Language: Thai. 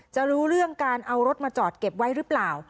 รู้เรื่องการเอารถมาจอดเก็บไว้หรือเปล่า